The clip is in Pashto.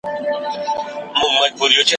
ایا زه کولای سم له دې کتابتون څخه ګټه واخلم؟